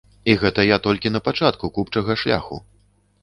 І гэта я толькі на пачатку купчага шляху.